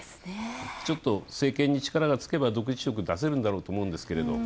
ちょっと政権に力がつけば独自色を出せるんだろうと思うんですけど。